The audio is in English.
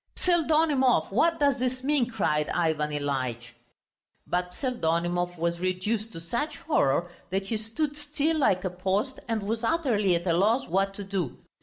"Pseldonimov, what does this mean?" cried Ivan Ilyitch. But Pseldonimov was reduced to such horror that he stood still like a post and was utterly at a loss what to do.